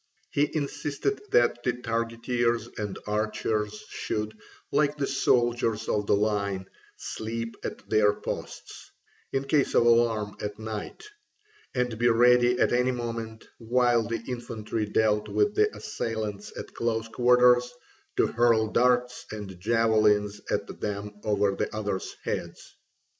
He insisted that the targeteers and archers should, like the soldiers of the line, sleep at their posts, in case of alarm at night, and be ready at any moment, while the infantry dealt with the assailant at close quarters, to hurl darts and javelins at them over the others' heads.